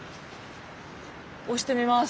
押してみます。